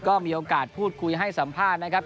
ก็มีโอกาสพูดคุยให้สัมภาษณ์นะครับ